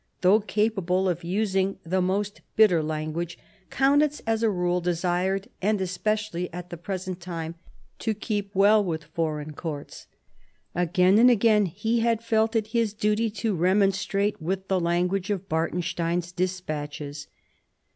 Though capable of using the most bitter language, Kaunitz as a rule desired, and especially at the present time, to keep well with foreign courts. Again and again he had felt it his duty to remonstrate with the language of Bartenstein's despatches.